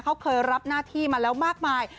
เขาเคยรับหน้าที่มาแล้วมากมาย